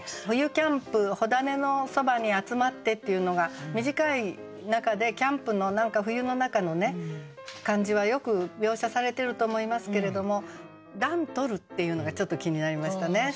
「冬キャンプ火種のそばに集まって」っていうのが短い中でキャンプの冬の中の感じはよく描写されてると思いますけれども「暖とる」っていうのがちょっと気になりましたね。